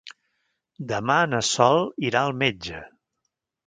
Demà na Sol irà al metge.